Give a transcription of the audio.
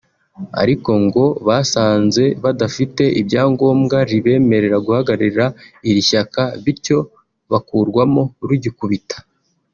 ariko bo ngo basanze badafite ibyangombwa ribemerera guhagararira iri shyaka bityo bakurwamo rugikubita